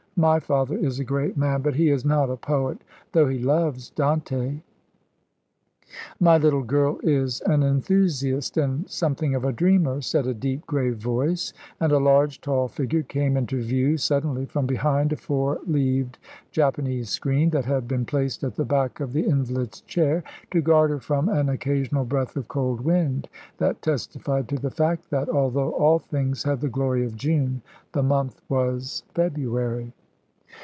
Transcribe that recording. My father is a great man, but he is not a poet, though he loves Dante." "My little girl is an enthusiast, and something of a dreamer," said a deep, grave voice, and a large, tall figure came into view suddenly from behind a four leaved Japanese screen that had been placed at the back of the invalid's chair, to guard her from an occasional breath of cold wind that testified to the fact that, although all things had the glory of June, the month was February.